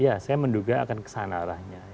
ya saya menduga akan kesana arahnya